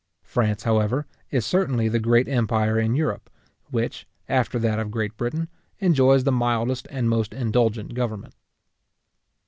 France, however, is certainly the great empire in Europe, which, after that of Great Britain, enjoys the mildest and most indulgent government.